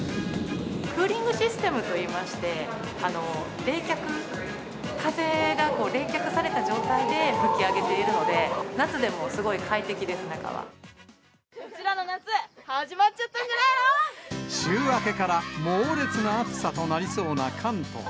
クーリングシステムといいまして、冷却、風が冷却された状態で吹き上げているので、夏でもすごい快適です、うちらの夏、週明けから猛烈な暑さとなりそうな関東。